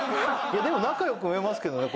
でも仲良く見えますけどね